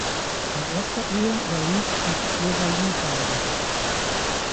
In erster Ehe war Read mit Lora Lee verheiratet.